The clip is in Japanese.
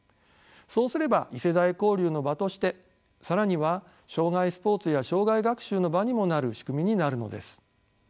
そうすれば異世代交流の場として更には生涯スポーツや生涯学習の場にもなる仕組みになるのです。